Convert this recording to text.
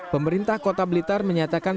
pemerintah kota blitar menyatakan